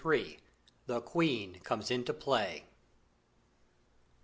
THE QUEEN COMES INTO PLAY.